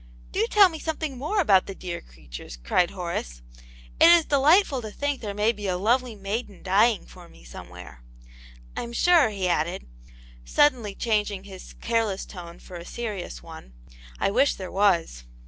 " Do tell me something more about the dear crea tures !" cried Horace. " It is delightful to think there may be a lovely maiden dying for me some where. Tm sure," he added, suddenly changing his careless tone for a serious one, "I wish there was."